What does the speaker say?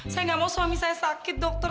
saya nggak mau suami saya sakit dokter